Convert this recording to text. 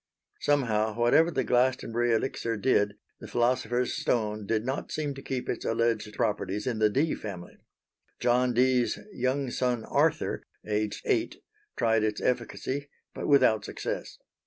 Somehow, whatever the Glastonbury Elixir did, the Philosopher's Stone did not seem to keep its alleged properties in the Dee family. John Dee's young son Arthur, aged eight, tried its efficacy; but without success.